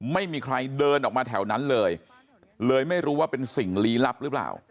ไม่มีใครเดินออกมาแถวนั้นเลยเลยไม่รู้ว่าเป็นสิ่งลี้ลับหรือเปล่า